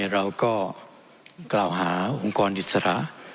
เราก็กล่าวหาองค์กรอิสระ